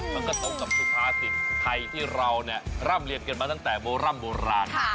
มันก็ตรงกับสุภาษิตไทยที่เราร่ำเรียนกันมาตั้งแต่โบร่ำโบราณ